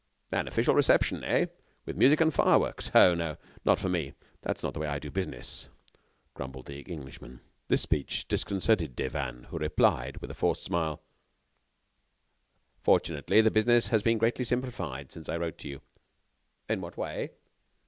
"An official reception, eh? with music and fireworks! Oh! no, not for me. That is not the way I do business," grumbled the Englishman. This speech disconcerted Devanne, who replied, with a forced smile: "Fortunately, the business has been greatly simplified since I wrote to you." "In what way?"